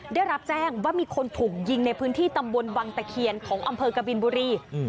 ได้รับแจ้งว่ามีคนถูกยิงในพื้นที่ตำบลวังตะเคียนของอำเภอกบินบุรี